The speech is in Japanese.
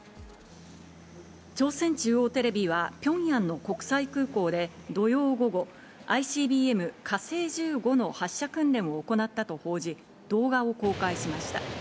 朝鮮中央テレビはピョンヤンの国際空港で、土曜午後、ＩＣＢＭ火星１５の発射訓練を行ったと報じ、動画を公開しました。